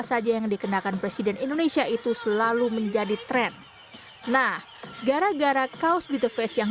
saja yang dikenakan presiden indonesia itu selalu menjadi tren nah gara gara kaos bit the fast yang